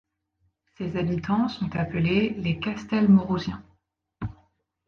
Ses habitants sont appelés les Castelmaurousiens.